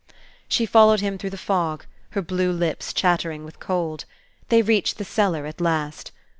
She followed him through the fog, her blue lips chattering with cold. They reached the cellar at last.